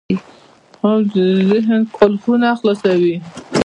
خوب د ذهن قفلونه خلاصوي